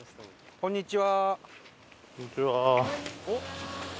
こんにちは。